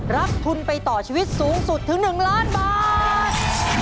รับทุนไปต่อชีวิตสูงสุดถึง๑ล้านบาท